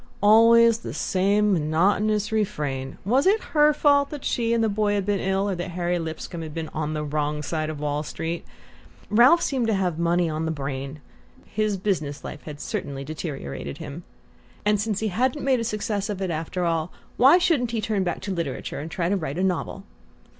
Always the same monotonous refrain! Was it her fault that she and the boy had been ill? Or that Harry Lipscomb had been "on the wrong side" of Wall Street? Ralph seemed to have money on the brain: his business life had certainly deteriorated him. And, since he hadn't made a success of it after all, why shouldn't he turn back to literature and try to write his novel?